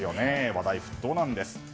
話題沸騰なんです。